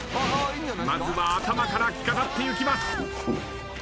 まずは頭から着飾っていきます。